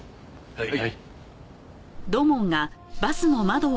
はい。